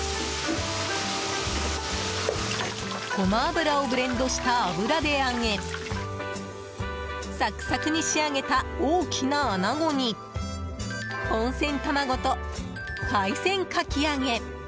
ごま油をブレンドした油で揚げサクサクに仕上げた大きなアナゴに温泉卵と海鮮かき揚げ